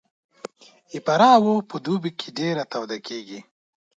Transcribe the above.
د فراه هوا په دوبي کې ډېره توده کېږي